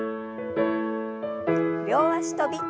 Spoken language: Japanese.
両脚跳び。